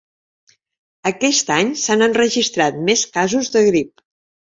Aquest any s'han enregistrat més casos de grip.